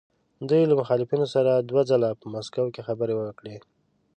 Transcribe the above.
دوی له مخالفینو سره دوه ځله په مسکو کې خبرې وکړې.